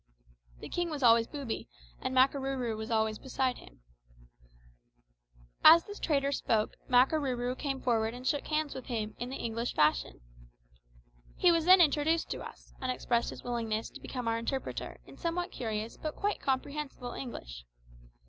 The king was always booby, and Makarooroo was always beside him." As the trader spoke, Makarooroo came forward and shook hands with him in the English fashion. He was then introduced to us, and expressed his willingness to become our interpreter in somewhat curious but quite comprehensible English.